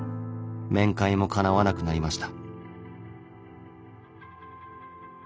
面会もかなわなくなりました。